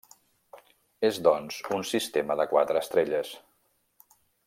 És doncs un sistema de quatre estrelles.